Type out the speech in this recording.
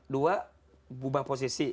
dua ubah posisi